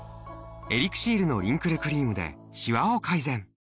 エリクシールのリンクルクリームでしわを改善！